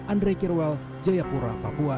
andre kirwel jayapura papua